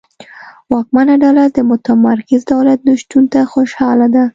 واکمنه ډله د متمرکز دولت نشتون ته خوشاله ده.